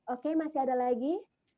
oke masih ada lagi